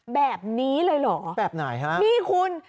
แบบนี้เลยเหรอแบบไหนฮะนี่คุณ